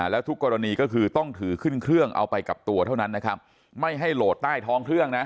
แล้วทุกกรณีก็คือต้องถือขึ้นเครื่องเอาไปกับตัวเท่านั้นนะครับไม่ให้โหลดใต้ท้องเครื่องนะ